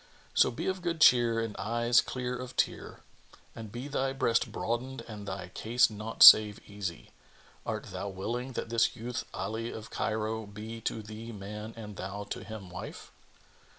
So be of good cheer and eyes clear of tear; and be thy breast broadened and thy case naught save easy. Art thou willing that this youth Ali of Cairo be to thee man and thou to him wife?"